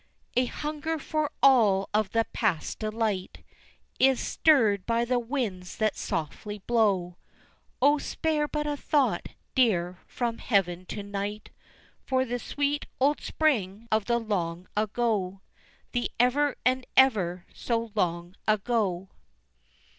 A hunger for all of the past delight Is stirred by the winds that softly blow, O, spare but a thought, dear, from heaven to night For the sweet old spring of the long ago, The ever and ever so long ago!